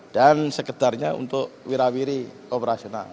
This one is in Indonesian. dan sekitarnya untuk wira wiri operasional